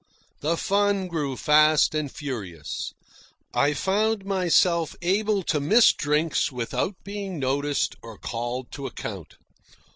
The fun grew fast and furious. I found myself able to miss drinks without being noticed or called to account.